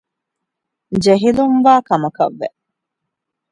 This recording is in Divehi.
ޖެހިލުންވާ ކަމަކަށް ވެ